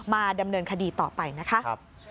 มาดำเนินคดีต่อไปนะคะ